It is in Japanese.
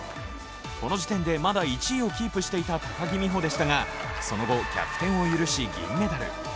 この時点でまだ１位をキープしていた高木美帆でしたがその後、逆転を許し銀メダル。